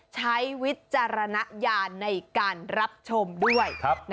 วิจารณญาณในการรับชมด้วย